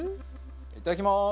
いただきます。